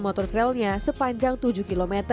motor trailnya sepanjang tujuh km